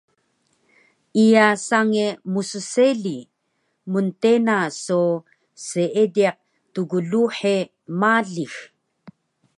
Iya sange msseli, mntena so seediq tgluhe malix